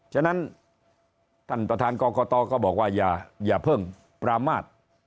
ฉะนั้นท่านประธานกรกตก็บอกว่าอย่าเพิ่งประมาท